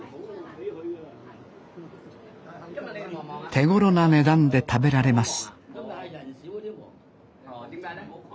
手ごろな値段で食べられます